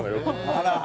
あら！